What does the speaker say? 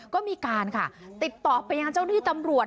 ก็มีการค่ะติดต่อไปยังเจ้าหน้าที่ตำรวจ